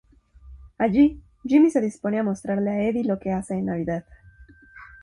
Allí, Jimmy se dispone a mostrarle a Eddy lo que hace en Navidad.